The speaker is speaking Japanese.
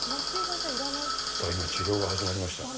今、治療が始まりました。